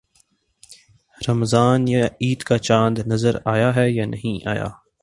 رمضان یا عید کا چاند نظر آیا ہے یا نہیں آیا؟